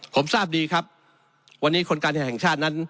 ผมทราบดีครับวันนี้คนการแข่งชาตินั้น